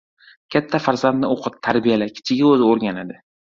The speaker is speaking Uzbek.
• Katta farzandni o‘qit, tarbiyala, kichigi o‘zi o‘rganadi.